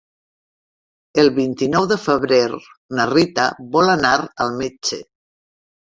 El vint-i-nou de febrer na Rita vol anar al metge.